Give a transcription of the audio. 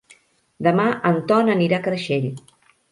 Demà en Ton anirà a Creixell.